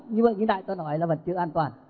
nhưng mà như đại tôn nói là bẩn chứa an toàn